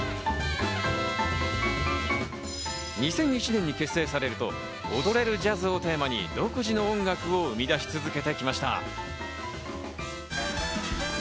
２００１年に結成されると、踊れるジャズをテーマに独自の音楽を生み出し続けてきました。